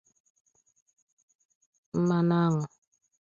mmanụ aṅụ